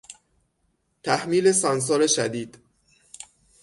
تحمیل سانسور شدید